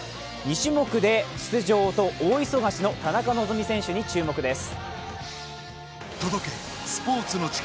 ２種目で出場と大忙しの田中希実選手に注目です。